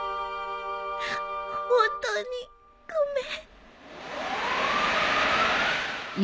本当にごめん